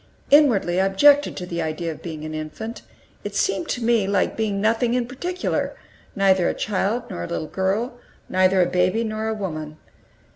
Inwardly, I objected to the idea of being an infant; it seemed to me like being nothing in particular neither a child nor a little girl, neither a baby nor a woman.